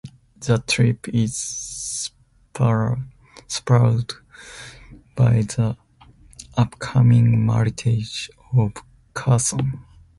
The trip is spurred by the upcoming marriage of Carson.